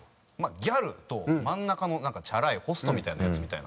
ギャルと真ん中のチャラいホストみたいなヤツみたいな。